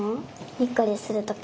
にっこりするとき。